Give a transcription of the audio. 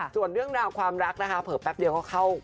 ส่วนเรื่องราวความรักนะคะเผลอแป๊บเดียวก็เข้า